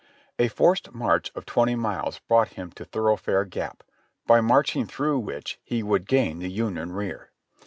A forced njarch of twenty miles brought him to Thoroughfare Gap, by marching through which he would gain the Union rear.